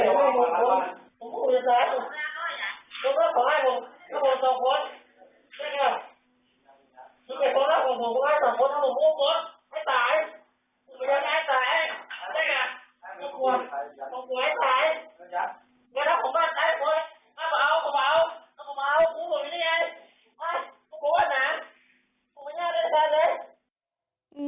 ต้องกลัวไอ้ใครต้องกลัวไอ้หนาต้องกลัวไอ้หน้าต้องกลัวไอ้แฟนเลย